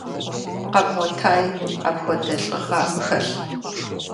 Къэбгъуэтаи, апхуэдэ лӀыгъэ абы хэлъ?